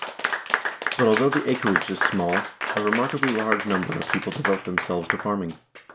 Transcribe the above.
But although the acreage is small, a remarkably large number of peo ple devote themselves to farming.